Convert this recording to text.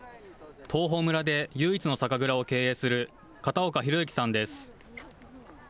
東峰村で唯一の酒蔵を経営する片岡拓之さんです。